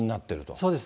そうです。